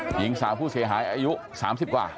หญิงสาวผู้เสียหายอายุ๓๐กว่า